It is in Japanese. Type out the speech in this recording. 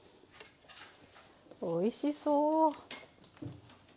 おいしそう！